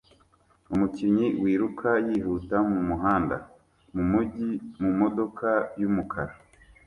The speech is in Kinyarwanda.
Umukinnyi wiruka yihuta mumuhanda mumujyi mumodoka yumukara